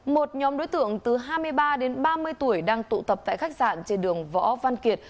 một nhóm đối tượng từ hai mươi ba đến ba mươi tuổi đang tụ tập tại khách sạn trên đường võ văn kiệt